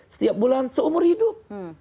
setiap bulan seumur hidup